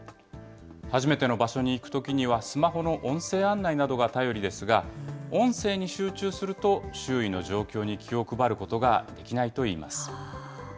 初めての場所に行くときには、スマホの音声案内などが頼りですが、音声に集中すると、周囲の状況に気を配ることができないといいます。